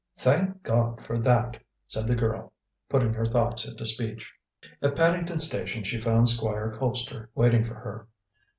"Thank God for that!" said the girl, putting her thoughts into speech. At Paddington Station she found Squire Colpster waiting for her.